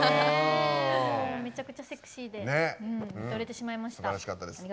めちゃくちゃセクシーで見とれてしまいました。